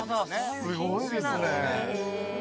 すごいですね。